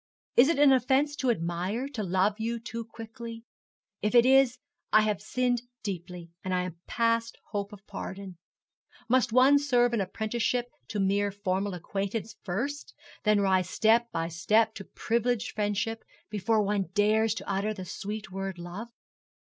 Is it an offence to admire, to love you too quickly? If it is, I have sinned deeply, and am past hope of pardon. Must one serve an apprenticeship to mere formal acquaintance first, then rise step by step to privileged friendship, before one dares to utter the sweet word love?